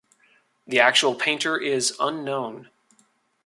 The actual painter is unknown.